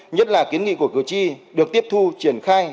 nhất là kiến nghị của cử tri được tiếp thu triển khai